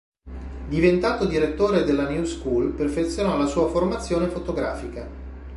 Diventato direttore della New School perfezionò la sua formazione fotografica.